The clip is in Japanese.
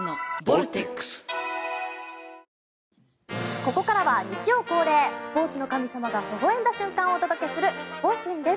ここからは日曜恒例スポーツの神様がほほ笑んだ瞬間をお届けするスポ神です。